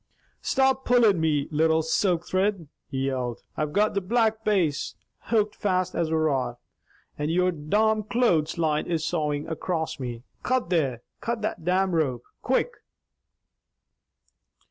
"Stop pullin' me little silk thrid!" he yelled. "I've got the Black Bass hooked fast as a rock, and your domn clothes line is sawin' across me. Cut there! Cut that domn rope! Quick!"